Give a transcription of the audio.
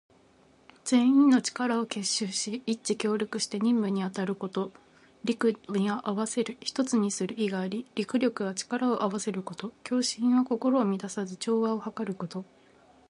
全員の力を結集し、一致協力して任務に当たること。「戮」には合わせる、一つにする意があり、「戮力」は力を合わせること。「協心」は心を乱さず、調和をはかること。